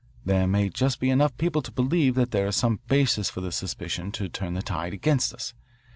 There may be just enough people to believe that there is some basis for this suspicion to turn the tide against us.